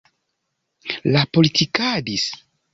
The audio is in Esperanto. Li politikadis kontraŭ Lajos Kossuth.